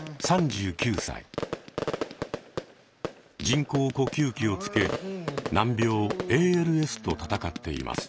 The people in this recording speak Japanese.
人工呼吸器をつけ難病「ＡＬＳ」と闘っています。